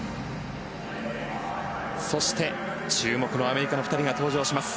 そして、注目のアメリカの２人が登場します。